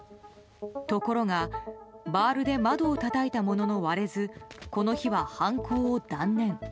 ところが、バールで窓をたたいたものの割れずこの日は犯行を断念。